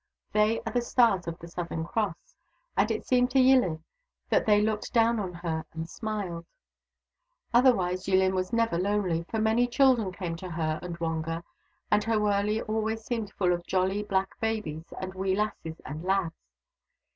They are the stars of the Southern Cross. And it seemed to Yillin that they looked down at her and smiled. Otherwise, Yillin was never lonely, for many children came to her and Wonga, and her wurley always seemed full of jolly black babies and wee lasses and lads.